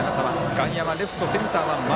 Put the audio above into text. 外野はレフト、センターは前。